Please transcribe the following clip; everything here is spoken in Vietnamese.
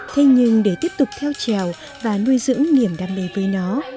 thế nhưng để tiếp tục theo trèo và nuôi dưỡng niềm đam mê với nó